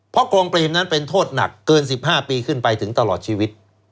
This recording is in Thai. เพราะกรองเปรมนั้นเป็นโทษหนักเกิน๑๕ปีขึ้นไปถึงตลอดชีวิต